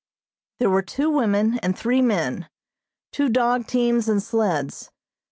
There were two women and three men, two dog teams and sleds.